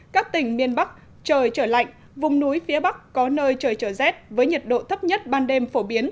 các tỉnh miền bắc trời trở lạnh vùng núi phía bắc có nơi trời trở rét với nhiệt độ thấp nhất ban đêm phổ biến